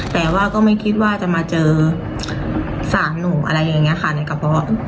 แต่ว่าก็ไม่คิดว่าจะมาเจอสารหนูอะไรอย่างนี้ค่ะในกระเป๋า